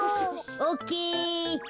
オッケー。